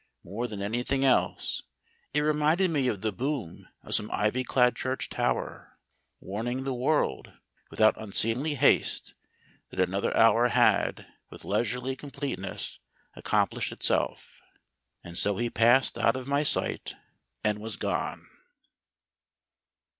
More than anything else, it reminded me of the boom of some ivy clad church tower, warning the world without unseemly haste that another hour had, with leisurely completeness, accomplished itself. And so he passed out of my sight and was gone.